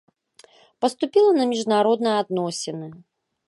Паступіла на міжнародныя адносіны.